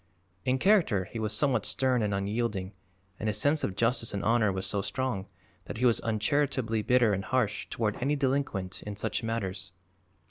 In character he was somewhat stern and unyielding and his sense of justice and honor was so strong that he was uncharitably bitter and harsh toward any delinquent in such matters.